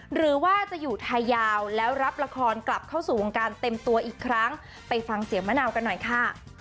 หรือว่าจะอยู่ไทยยาวแล้วรับละครกลับเข้าสู่วงการเต็มตัวอีกครั้งไปฟังเสียงมะนาวกันหน่อยค่ะ